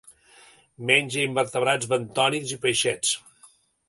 Menja invertebrats bentònics i peixets.